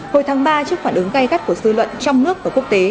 hồi tháng ba trước phản ứng gây gắt của dư luận trong nước và quốc tế